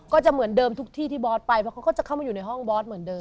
ก็จะเหมือนเดิมทุกที่ที่บอสไปเพราะเขาก็จะเข้ามาอยู่ในห้องบอสเหมือนเดิ